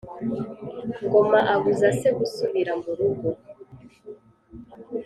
Ngoma abuza se gusubira murugo